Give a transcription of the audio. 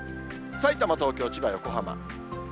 さいたま、東京、千葉、横浜。